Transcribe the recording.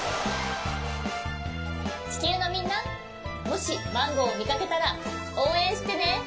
ちきゅうのみんなもしマンゴーをみかけたらおうえんしてね。